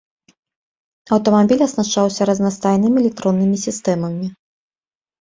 Аўтамабіль аснашчаўся разнастайнымі электроннымі сістэмамі.